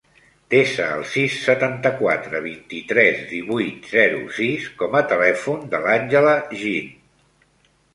Desa el sis, setanta-quatre, vint-i-tres, divuit, zero, sis com a telèfon de l'Àngela Jin.